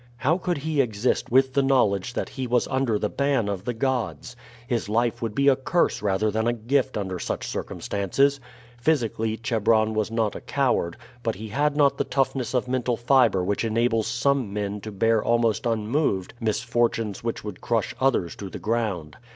How could he exist with the knowledge that he was under the ban of the gods? His life would be a curse rather than a gift under such circumstances. Physically, Chebron was not a coward, but he had not the toughness of mental fibre which enables some men to bear almost unmoved misfortunes which would crush others to the ground.